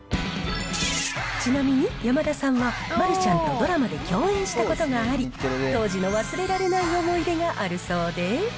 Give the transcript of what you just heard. ちなみに山田さんは丸ちゃんとドラマで共演したことがあり、当時の忘れられない思い出があるそうで。